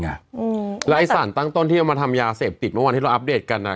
อย่างเงี้ยอืมแล้วไอ้สารตั้งต้นที่จะมาทำยาเสพติดเมื่อวันที่เราอัปเดตกันอ่ะ